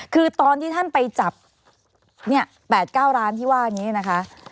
คือตอนที่ท่านไปจับ๘๙ร้านที่ว่านี้นะคะ